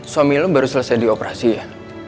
suami lo baru selesai di operasi ya